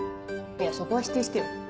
いやそこは否定してよ。